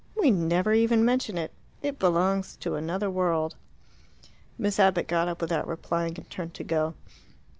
We never even mention it. It belongs to another world." Miss Abbott got up without replying and turned to go.